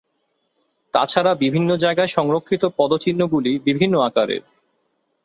তাছাড়া বিভিন্ন জায়গায় সংরক্ষিত পদ চিহ্ন গুলি বিভিন্ন আকারের।